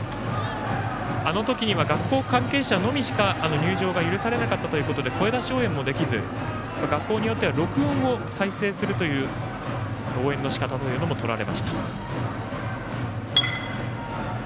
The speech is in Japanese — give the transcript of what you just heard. あの時には学校関係者のみしか入場が許されなかったということで声出し応援ができず学校によっては録音を再生するという応援のしかたもとられました。